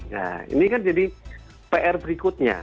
nah ini kan jadi pr berikutnya